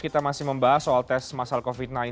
kita masih membahas soal tes masal covid sembilan belas